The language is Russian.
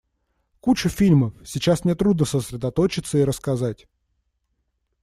Кучу фильмов — сейчас мне трудно сосредоточиться и рассказать.